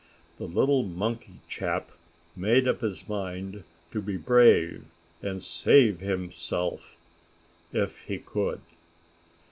The little monkey chap made up his mind to be brave and save himself if he could.